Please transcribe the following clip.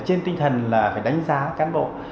trên tinh thần là phải đánh giá cán bộ